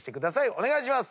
お願いします。